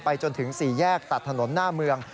จนถึง๔แยกตัดถนนหน้าเมือง